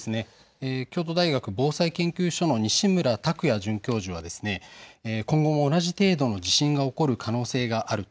京都大学防災研究所の西村卓也准教授は今後も同じ程度の地震が起こる可能性がある。